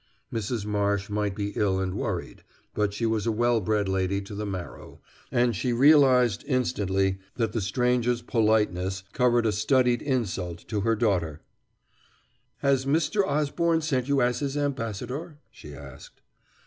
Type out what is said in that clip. Mrs. Marsh might be ill and worried; but she was a well bred lady to the marrow, and she realized instantly that the stranger's politeness covered a studied insult to her daughter. "Has Mr. Osborne sent you as his ambassador?" she asked.